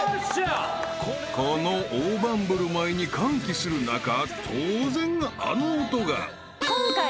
［この大盤振る舞いに歓喜する中当然あの音が］